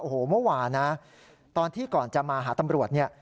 โอ้โหเมื่อวานนะตอนที่ก่อนจะมาหาตำรวจเนี่ย